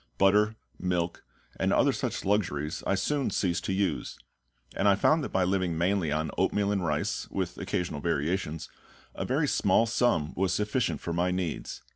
Butter, milk, and other such luxuries I soon ceased to use; and I found that by living mainly on oatmeal and rice, with occasional variations, a very small sum was sufficient for my needs.